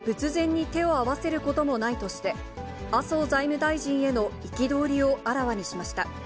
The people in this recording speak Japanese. また、死後３年たっても仏前に手を合わせることもないとして、麻生財務大臣への憤りをあらわにしました。